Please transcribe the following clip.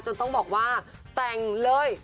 ต้องบอกว่าแต่งเลย